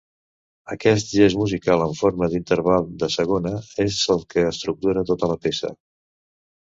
Aquest gest musical en forma d'interval de segona és el que estructura tota la peça.